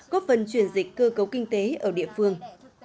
góp phần chuyển dịch cơ cấu kinh tế ở địa phương